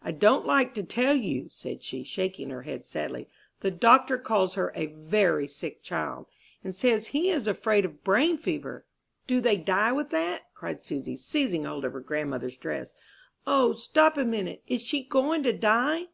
"I don't like to tell you," said she, shaking her head sadly; "the doctor calls her a very sick child, and says he is afraid of brain fever." "Do they die with that?" cried Susy, seizing hold of her grandmother's dress. "O, stop a minute; is she going to die?"